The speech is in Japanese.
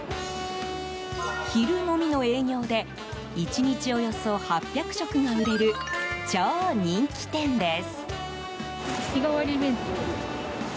昼のみの営業で１日およそ８００食が売れる超人気店です。